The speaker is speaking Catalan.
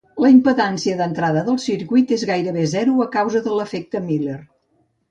La impedància d'entrada del circuit és gairebé zero a causa de l'efecte Miller.